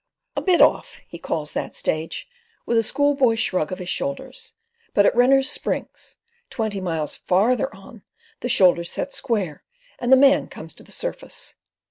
"A bit off," he calls that stage, with a school boy shrug of his shoulders; but at Renner's Springs, twenty miles farther on, the shoulders set square, and the man comes to the surface.